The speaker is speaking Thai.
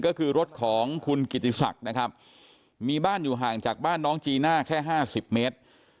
ก็คือรถของคุณกิติศักดิ์นะครับมีบ้านอยู่ห่างจากบ้านน้องจีน่าแค่๕๐เมตร